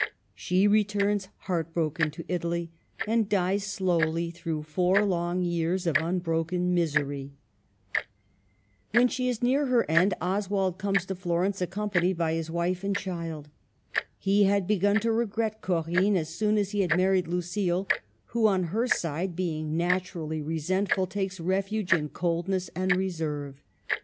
She returns heart broken to Italy, and dies slowly through four long years of unbroken misery. Digitized by VjOOQIC 232 MADAME DE STA&L. When she is near her end Oswald comes to Florence, accompanied by his wife and child. He had begun to regret Corinne as soon as he bad married Lucile, who, on her side, being naturally resentful, takes refuge in coldness and reserve.